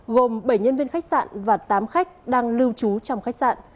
gồm bảy nhân viên khách sạn và tám khách đang lưu trú trong khách sạn